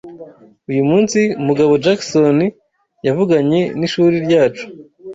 Uyu munsi, Mugabo Jackson yavuganye n’ishuri ryacu.